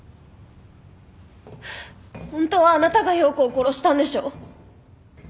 ホントはあなたが葉子を殺したんでしょ？